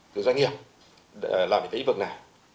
từ doanh nghiệp làm những cái ý vực này